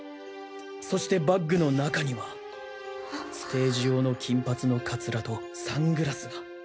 そしてバッグの中にはステージ用の金髪のカツラとサングラスが。